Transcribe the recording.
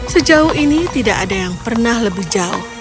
sejauh ini tidak ada yang pernah lebih jauh